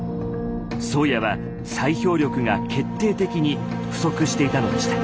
「宗谷」は砕氷力が決定的に不足していたのでした。